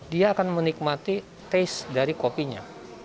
dia akan menikmati taste dari kopinya